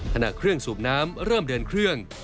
ขณะเครื่องสูบน้ำเริ่มเดินเครื่อง